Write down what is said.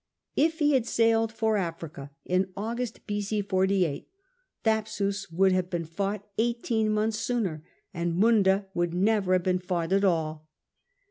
If he had sailed for Africa in August, B.C. 48, Thapsus would have been fought eighteen months sooner, and Munda would never have been fought at all.